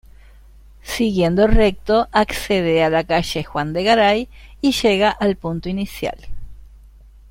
Siguiendo recto accede a la Calle Juan de Garay y llega al punto inicial.